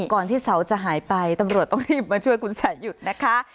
ก่อนที่เสาจะหายไปตำรวจต้องรีบมาช่วยคุณสายหยุดนะคะ